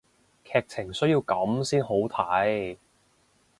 劇情需要噉先好睇